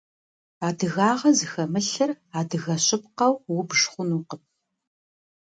Адыгагъэ зыхэмылъыр адыгэ щыпкъэу убж хъунукъым.